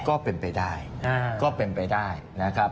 ก็เป็นไปได้นะครับ